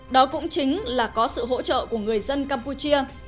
đó cũng chính là có sự hỗ trợ của người dân campuchia